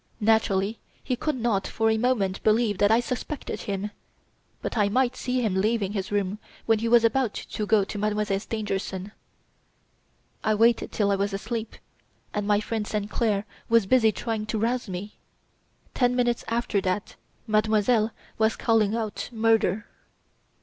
Naturally, he could not for a moment believe that I suspected him! But I might see him leaving his room when he was about to go to Mademoiselle Stangerson. He waited till I was asleep, and my friend Sainclair was busy trying to rouse me. Ten minutes after that Mademoiselle was calling out, "Murder!"